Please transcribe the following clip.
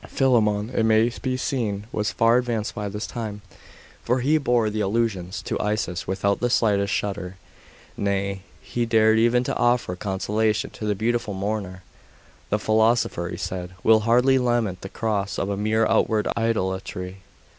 Philammon, it may be seen, was far advanced by this time; for he bore the allusions to Isis without the slightest shudder. Nay he dared even to offer consolation to the beautiful mourner. 'The philosopher,' he said, 'will hardly lament the loss of a mere outward idolatry.